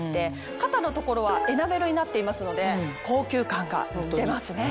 肩の所はエナメルになっていますので高級感が出ますね。